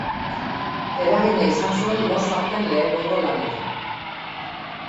Eragina izan zuen Mozarten lehenengo lanetan.